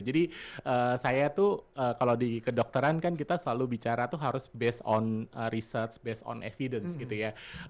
jadi saya tuh kalau di kedokteran kan kita selalu bicara tuh harus based on research based on evidence gitu ya